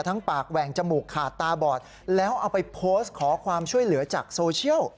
ปากแหว่งจมูกขาดตาบอดแล้วเอาไปโพสต์ขอความช่วยเหลือจากโซเชียล